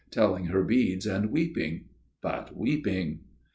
telling her beads and weeping but weeping